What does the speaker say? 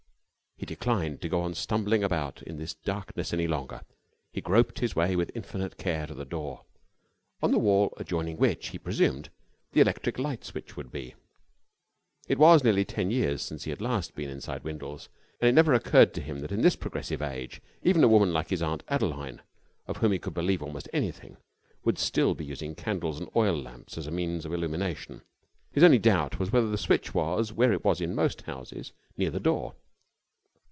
He declined to go on stumbling about in this darkness any longer. He groped his way with infinite care to the door, on the wall adjoining which, he presumed, the electric light switch would be. It was nearly ten years since he had last been inside Windles, and it never occurred to him that in this progressive age even a woman like his aunt Adeline, of whom he could believe almost anything, would still be using candles and oil lamps as a means of illumination. His only doubt was whether the switch was where it was in most houses, near the door.